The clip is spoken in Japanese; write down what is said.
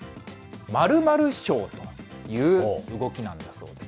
○○将という動きなんだそうです。